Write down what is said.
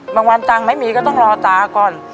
บางวันตังค์ไม่มีก็ต้องรอตาก่อน